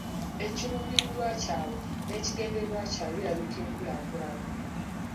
Ekiruubirirwa kyabwe n'ekigendererwa birambika enkulaakulana.